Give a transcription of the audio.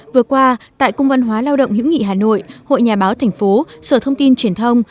vừa qua tại cung văn hóa lao động hữu nghị hà nội hội nhà báo thành phố sở thông tin truyền thông